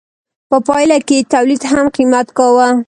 په پایله کې یې تولید هم قیمت کاوه.